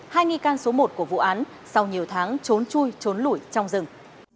hai nghi can số một của vụ án sau nhiều tháng trốn chui trốn lũi trong rừng